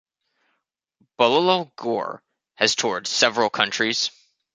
Babulal Gaur has toured several countries.